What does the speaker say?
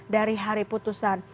dari hari putusan